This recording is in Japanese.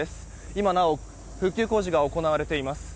今なお復旧工事が行われています。